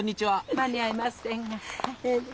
はい。